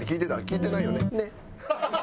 聞いてないよね？